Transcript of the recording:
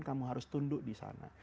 kamu harus tunduk di sana